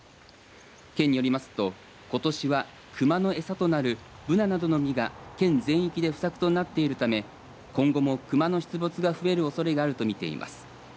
県によりますとことしは熊の餌となるブナなどの実が県全域で不作となっているため今後も熊の出没が増えるおそれがあるとみています。